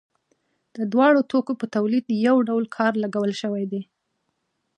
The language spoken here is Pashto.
د دواړو توکو په تولید یو ډول کار لګول شوی دی